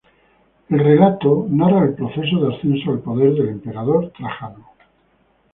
El relato narra el proceso de ascenso al poder del emperador Trajano.